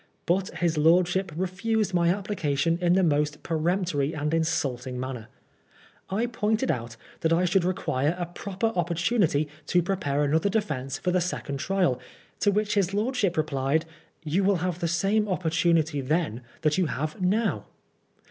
But his lordship refused my application in the most peremp tory and insulting manner. I pointed out that I should require a proper opportunity to prepare another defence for the second trial, to which his lordship replied, You will have the same opportunity then that you have now."